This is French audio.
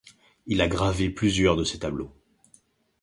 Il a gravé plusieurs de ses tableaux.